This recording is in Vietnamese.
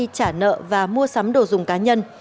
cả nợ và mua sắm đồ dùng cá nhân